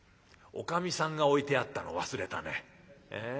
おかみさんが置いてあったのを忘れたね。